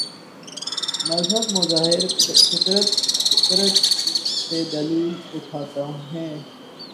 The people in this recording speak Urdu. مذہب مظاہر فطرت سے دلیل اٹھاتا ہے۔